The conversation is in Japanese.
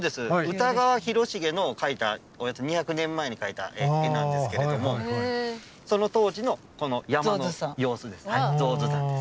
歌川広重の描いたおよそ２００年前に描いた絵なんですけれどもその当時のこの山の様子です。